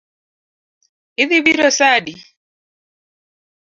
Idhi biro saa adi?